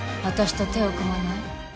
私と手を組まない？